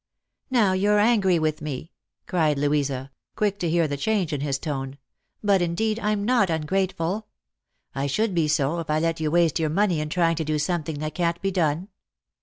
" Now you're angry with me," cried Louisa, quick to hear the change in his tone ;" but indeed I'm not ungrateful. I should be so, if I let you waste your money in trying to do something that can't be done.